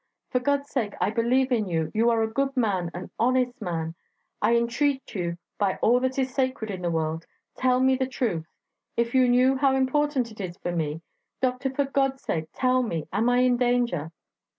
For God's sake!... I believe in you; you are a good man, an honest man; I entreat you by all that is sacred in the world tell me the truth! If you knew how important it is for me... Doctor, for God's sake tell me... Am I in danger?'